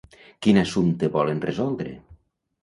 Quin assumpte volen resoldre?